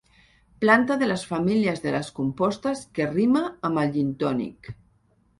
Planta de la família de les compostes que rima amb el gintònic.